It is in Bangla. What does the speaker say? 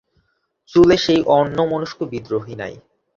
চুলে সেই অন্যমস্ক বিদ্রোহ নাই।